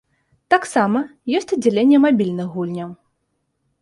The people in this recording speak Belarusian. Таксама ёсць аддзяленне мабільных гульняў.